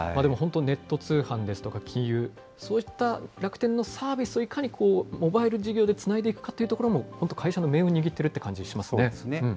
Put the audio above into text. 本当、ネット通販ですとか金融、そういった楽天のサービスをいかにモバイル事業でつないでいくかというところも本当、会社の命運を握っているという感じがしますそうですね。